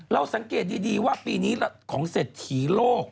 เราสังเกตดีว่าปีนี้ของเศรษฐีโลก